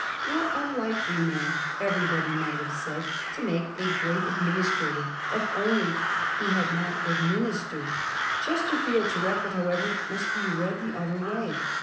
What a likely man, everybody might have said, to make a great administrator, if only he had not admin istered ! Chesterfield's record, however, must be read the other way.